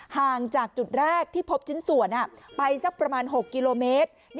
ห่างจากจุดแรกที่พบชิ้นส่วนไปสักประมาณ๖กิโลเมตร